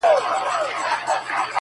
• درې زمري یې له هډونو جوړېدله ,